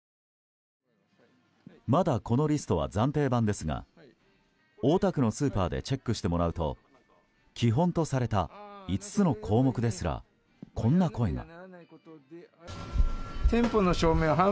まだこのリストは暫定版ですが大田区のスーパーでチェックしてもらうと基本とされた５つの項目ですらこんな声が。